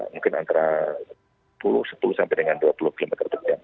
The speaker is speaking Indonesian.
mungkin antara sepuluh sampai dengan dua puluh km terkejam